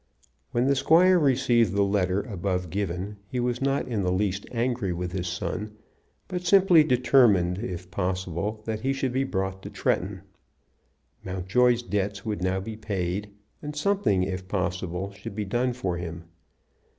When the squire received the letter above given he was not in the least angry with his son, but simply determined, if possible, that he should be brought to Tretton. Mountjoy's debts would now be paid, and something, if possible, should be done for him.